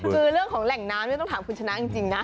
คือเรื่องของแหล่งน้ำนี่ต้องถามคุณชนะจริงนะ